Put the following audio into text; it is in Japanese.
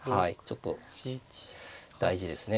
ちょっと大事ですね